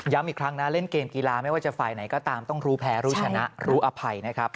อีกครั้งนะเล่นเกมกีฬาไม่ว่าจะฝ่ายไหนก็ตามต้องรู้แพ้รู้ชนะรู้อภัยนะครับ